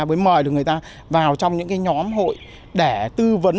mới mời được người ta vào trong những nhóm hội để tư vấn